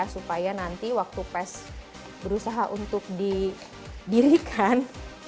supaya nanti waktu pes berusaha untuk didirikan